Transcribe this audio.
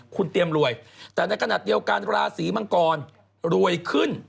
คุณเตรียมรวยแต่ในขณะเดียวกันราศีมังกรรวยขึ้น